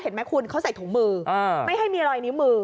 เห็นไหมคุณเขาใส่ถุงมือไม่ให้มีรอยนิ้วมือ